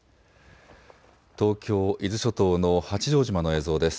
東京伊豆諸島の八丈島の映像です。